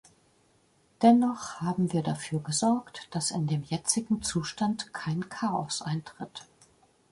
Dennoch haben wir dafür gesorgt, dass in dem jetzigen Zustand kein Chaos eintritt.